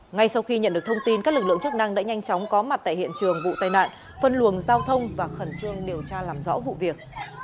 ngay sau khi nhận được thông tin các lực lượng chức năng đã nhanh chóng có mặt tại hiện trường vụ tai nạn phân luồng giao thông và khẩn trương điều tra làm rõ vụ việc